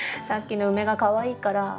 さっきのウメがかわいいから。